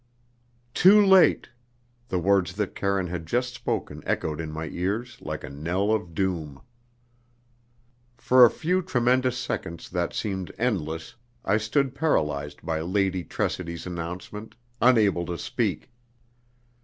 "Too late!" the words that Karine had just spoken echoed in my ears like a knell of doom. For a few tremendous seconds that seemed endless I stood paralysed by Lady Tressidy's announcement, unable to speak.